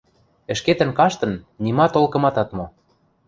Ӹшкетӹн каштын, нима толкымат ат мо.